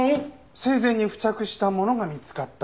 生前に付着したものが見つかったと。